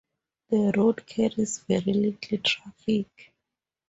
The road carries very little traffic.